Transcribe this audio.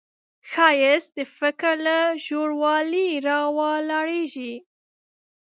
ښایست د فکر له ژوروالي راولاړیږي